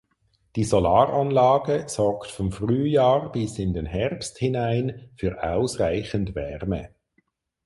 Die Solaranlage sorgt vom Frühjahr bis in den Herbst hinein für ausreichend Wärme.